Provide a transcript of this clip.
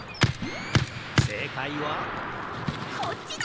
せいかいはこっちだ！